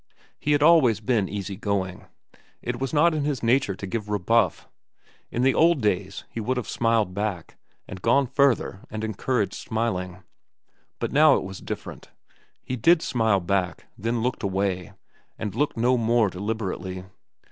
He had always been easy going. It was not in his nature to give rebuff. In the old days he would have smiled back, and gone further and encouraged smiling. But now it was different. He did smile back, then looked away, and looked no more deliberately.